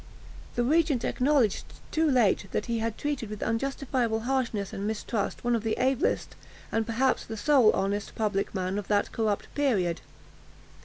The regent acknowledged too late, that he had treated with unjustifiable harshness and mistrust one of the ablest, and perhaps the sole honest public man of that corrupt period.